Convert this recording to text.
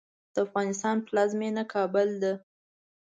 د افغانستان پلازمېنه کابل ده